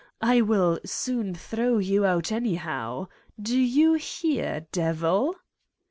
I will soon throw you out anyhow! Do you hear ... devil?"